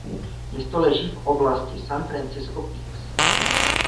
Město leží v oblasti San Francisco Peaks.